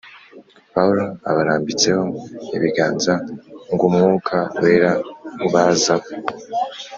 Pawulo abarambitseho ibiganza g umwuka wera ubazaho